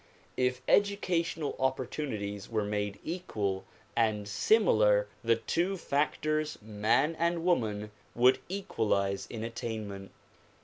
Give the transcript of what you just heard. If educational opportunities were made equal and similar the two factors man and woman would equalize in attainment.